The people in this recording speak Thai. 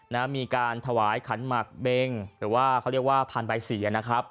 นะฮะมีการถวายขันหมักเบงหรือว่าเขาเรียกว่าพันใบเสียนะครับ